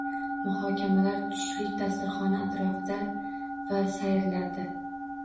Muhokamalar tushlik dasturxoni atrofida va sayrlarda